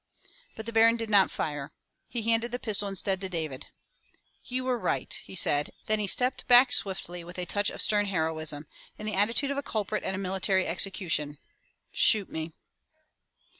But the Baron did not fire. He handed the pistol instead to David. "You were right/' he said, then he stepped back swiftly with a touch of stern heroism, in the attitude of a culprit at a military execution. Shoot me."